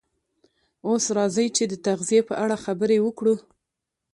اوس راځئ چې د تغذیې په اړه خبرې وکړو